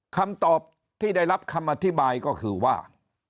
คำตอบที่ได้รับคำอธิบายก็คือว่า